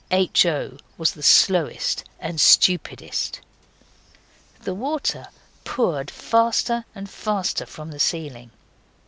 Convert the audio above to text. H. O. was the slowest and stupidest. The water poured faster and faster from the ceiling.